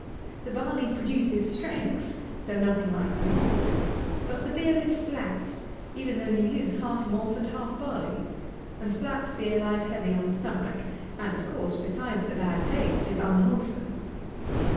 The barley produces strength, though nothing like the malt; but the beer is flat, even though you use half malt and half barley; and flat beer lies heavy on the stomach, and of course, besides the bad taste, is unwholesome.